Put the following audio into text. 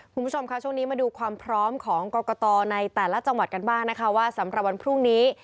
คุณผู้ชมค่ะช่วงนี้มาดูความพร้อมของกรกตในแต่ละจังหวัดกันบ้างนะคะว่าสำหรับวันพรุ่งนี้